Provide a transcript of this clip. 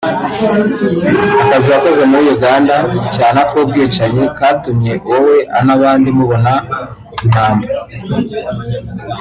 Akazi wakoze muri Uganda (cyane ako ubwicanyi) katumye wowe anabandi mubona impamba